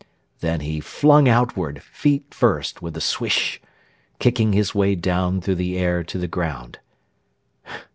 Then he flung outward, feet first, with a swish, Kicking his way down through the air to the ground.